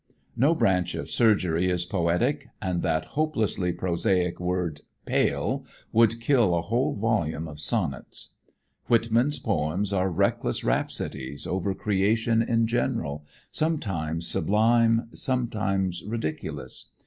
No branch of surgery is poetic, and that hopelessly prosaic word "pail" would kill a whole volume of sonnets. Whitman's poems are reckless rhapsodies over creation in general, some times sublime, some times ridiculous.